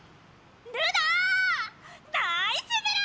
ナイスメラ！